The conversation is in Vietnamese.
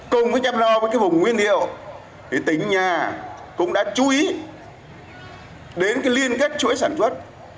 cùng với chăm lo với vùng nguyên liệu thì tỉnh nhà cũng đã chú ý đến liên kết chuỗi sản xuất